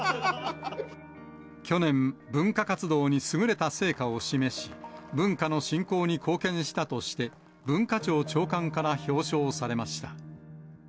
去年、文化活動に優れた成果を示し、文化の振興に貢献したとして、文化庁長官から表彰されました。